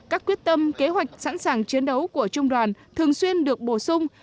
các quyết tâm kế hoạch sẵn sàng chiến đấu của trung đoàn thường xuyên được bổ sung